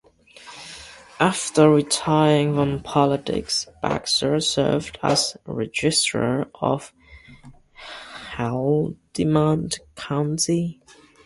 After retiring from politics, Baxter served as registrar for Haldimand County.